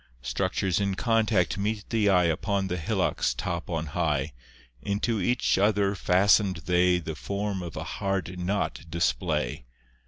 Structures in contact meet the eye Upon the hillock's top on high; Into each other fasten'd they The form of a hard knot display.